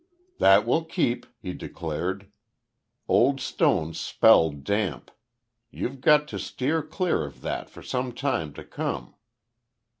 "That will keep," he declared. "Old stones spell damp. You've got to steer clear of that for some time to come."